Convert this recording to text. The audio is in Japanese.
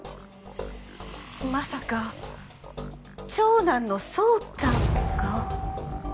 まさか長男の宗太が？